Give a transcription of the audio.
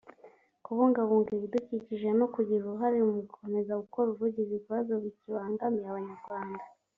kubungabunga ibidukikije no kugira uruhare mu gukomeza gukora ubuvugizi ku bibazo bikibangamiye Abanyarwanda